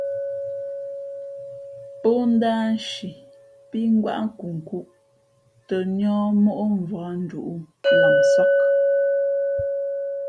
Pó ndáh nshi pí ngwáʼ nkunkhūʼ tᾱ níά móʼ mvǎk nduʼ lamsāk.